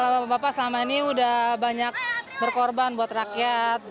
bapak bapak selama ini sudah banyak berkorban buat rakyat